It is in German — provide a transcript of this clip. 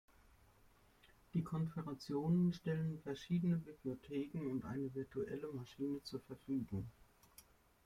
Die Konfigurationen stellen verschiedene Bibliotheken und eine virtuelle Maschine zur Verfügung.